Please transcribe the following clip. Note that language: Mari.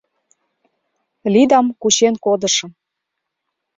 Лидам кучен кодышым...